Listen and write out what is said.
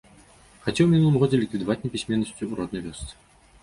Хацеў у мінулым годзе ліквідаваць непісьменнасць у роднай вёсцы.